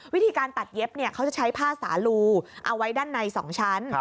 วิธีการตัดเย็บเขาจะใช้ผ้าสาลูเอาไว้ด้านใน๒ชั้น